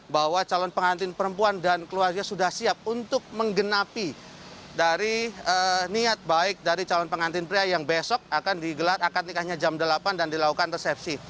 bahwa calon pengantin perempuan dan keluarga sudah siap untuk menggenapi dari niat baik dari calon pengantin pria yang besok akan digelar akad nikahnya jam delapan dan dilakukan resepsi